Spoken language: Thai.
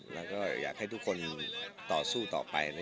แล้วก็อยากให้ทุกคนต่อสู้ต่อไป